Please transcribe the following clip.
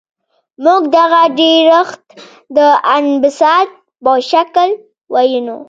موږ دغه ډیرښت د انبساط په شکل وینو.